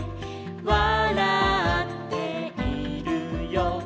「わらっているよ」